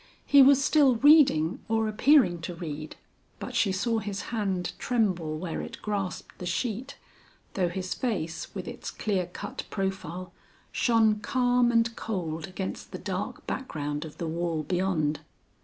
He was still reading, or appearing to read, but she saw his hand tremble where it grasped the sheet, though his face with its clear cut profile, shone calm and cold against the dark background of the wall beyond.